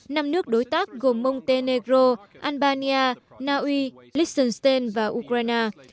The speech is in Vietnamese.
năm nước đối tác gồm montenegro albania naui listonstein và ukraine